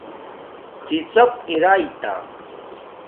ڎی ڎیپ ارئئ تا